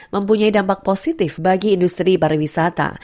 mempunyai dampak positif bagi industri pariwisata